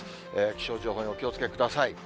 気象情報にお気をつけください。